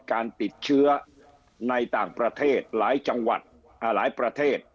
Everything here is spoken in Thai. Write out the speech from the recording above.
การติดเชื้อในต่างประเทศหลายประเทศ